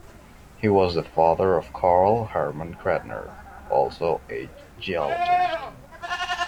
He was the father of Carl Hermann Credner, also a geologist.